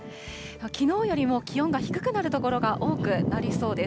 きのうよりも気温が低くなる所が多くなりそうです。